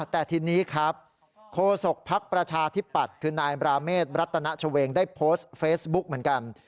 แต่ทีนี้ครับโคศกภักดิ์ประชาธิปัตย์คือนายบราเมฆรัตนชเวงได้โพสต์เฟซบุ๊กเหมือนกัน